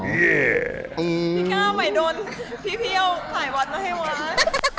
พี่ก้าวใหม่โดนพี่เอาถ่ายวัดมาให้วัด